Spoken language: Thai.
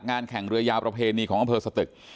งานแข่งเรือยาประเพณีของอศตึก